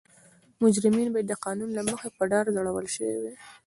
مجرمین باید د قانون له مخې په دار ځړول شوي وای.